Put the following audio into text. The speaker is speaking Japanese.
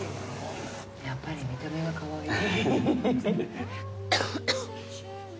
やっぱり見た目がかわいい。